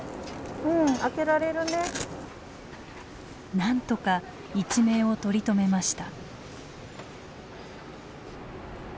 なんとか一命を取り留めました。